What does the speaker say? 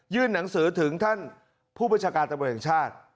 ยื่นหนังสือถึงท่านผู้ประชากาศตะโมยังชาติ